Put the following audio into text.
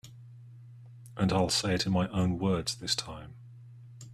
And I'll say it in my own words this time.